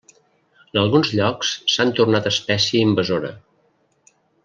En alguns llocs s'han tornat espècie invasora.